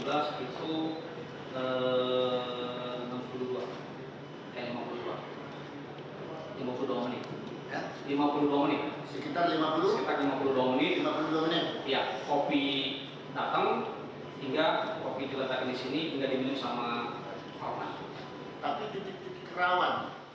tapi di kerawan